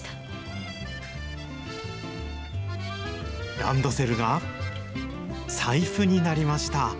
ランドセルが財布になりました。